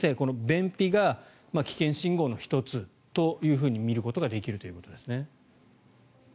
便秘が危険信号の１つというふうに見ることができるということですね。